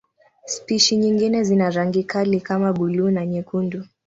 Spishi nyingine zina rangi kali kama buluu na nyekundu.